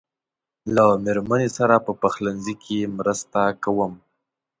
له مېرمنې سره په پخلنځي کې مرسته کوم.